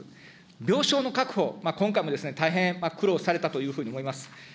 病床の確保、今回も大変苦労されたというふうに思います。